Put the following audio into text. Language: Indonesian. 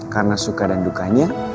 karena suka dan dukanya